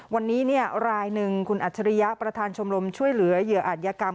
วันนี้รายหนึ่งคุณอัจฉริยะประธานชมรมช่วยเหลือเหยื่ออาจยกรรม